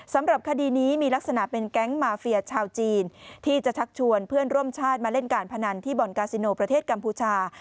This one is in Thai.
สำหรับคดีนี้มีลักษณะเป็นแก๊งมาเฟียชาวจีนที่จะชักชวนเพื่อนร่วมชาติมาเล่นการพนันที่บ่อนกาซิโนประเทศกัมพูชา